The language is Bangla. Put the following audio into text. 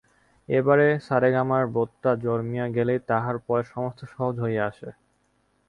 একবার সারেগামার বোধটা জন্মিয়া গেলেই তাহার পরে সমস্ত সহজ হইয়া আসে।